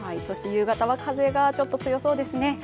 そして夕方は風がちょっと強そうですね。